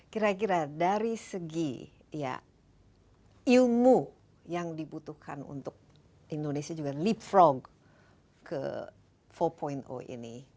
kira kira dari segi ilmu yang dibutuhkan untuk indonesia juga leapfrog ke empat ini